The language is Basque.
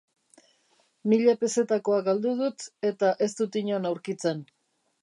Mila pezetakoa galdu dut eta ez dut inon aurkitzen.